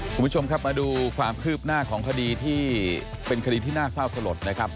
คุณผู้ชมครับมาดูความคืบหน้าของคดีที่เป็นคดีที่น่าเศร้าสลดนะครับ